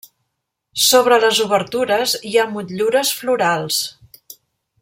Sobre les obertures hi ha motllures florals.